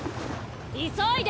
急いで！